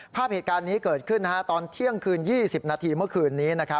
ภาพเหตุการณ์นี้เกิดขึ้นตอนเที่ยงคืน๒๐นาทีเมื่อคืนนี้